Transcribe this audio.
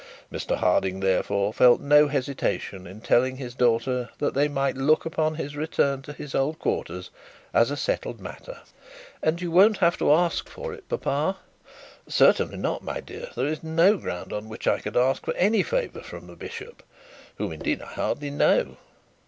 Mr Harding, therefore, felt no hesitation in telling his daughter that they might look upon his return to his old quarters as a settled matter. 'And you won't have to ask for it, papa.' 'Certainly not, my dear. There is no ground on which I could ask for any favour from the bishop, whom, indeed, I hardly know.